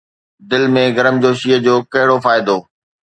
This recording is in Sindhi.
دل ۾ گرمجوشيءَ جو ڪهڙو فائدو؟